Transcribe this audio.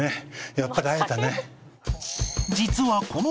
やっぱり会えたね。